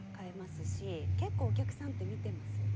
結構お客さんって見てますよね。